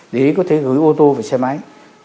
để có thể gửi ô tô và xe máy